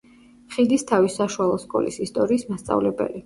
ხიდისთავის საშუალო სკოლის ისტორიის მასწავლებელი.